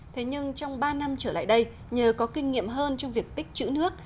thế nhưng trong ba năm trở lại đây nhờ có kinh nghiệm hơn trong việc tích chữ nước